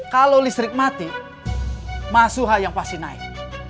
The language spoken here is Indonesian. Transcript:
kalau listrik mati masuha yang pasti naik